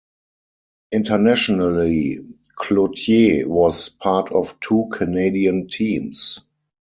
Internationally, Cloutier was part of two Canadian teams.